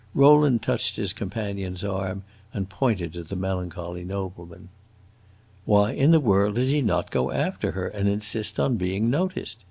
Rowland touched his companion's arm and pointed to the melancholy nobleman. "Why in the world does he not go after her and insist on being noticed!"